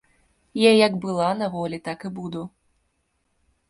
Я як была на волі, так і буду.